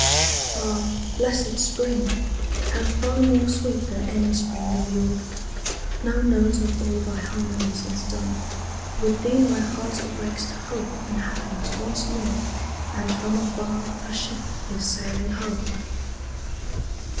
Ah, blessed spring!—how far more sweet than any spring of yore! No note of all thy harmonies is dumb; With thee my heart awakes to hope and happiness once more, And from afar a ship is sailing home!